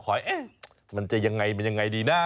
เอ๊ะมันจะยังไงมันยังไงดีนะ